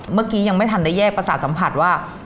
เมื่อกี้ยังไม่ทันได้แยกประสาทสัมผัสว่า